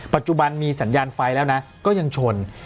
ปัจจุบันมีสัญญาณไฟแล้วนะก็ยังชน